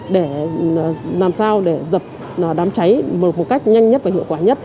để làm sao để dập đám cháy một cách nhanh nhất và hiệu quả nhất